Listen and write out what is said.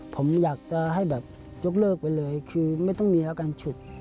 ผมอยากจะให้แบบยกเลิกไปเลยคือไม่ต้องมีอาการฉุด